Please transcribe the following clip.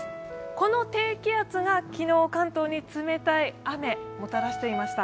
この低気圧が昨日、関東に冷たい雨をもたらしていました。